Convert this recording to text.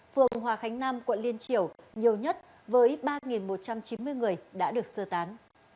phường hòa khánh nam quận liên triều nhiều nhất với ba một trăm chín mươi người đã được sơ tán